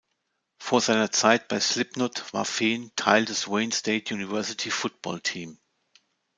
Vor seiner Zeit bei Slipknot war Fehn Teil des "Wayne State University Football Team".